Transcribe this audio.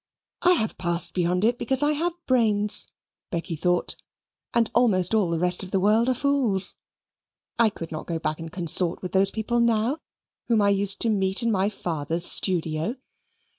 "I have passed beyond it, because I have brains," Becky thought, "and almost all the rest of the world are fools. I could not go back and consort with those people now, whom I used to meet in my father's studio.